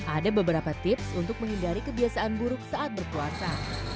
ada beberapa tips untuk menghindari kebiasaan buruk saat berpuasa